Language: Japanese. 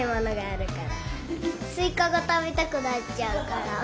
すいかがたべたくなっちゃうから。